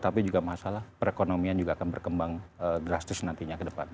tapi juga masalah perekonomian juga akan berkembang drastis nantinya ke depan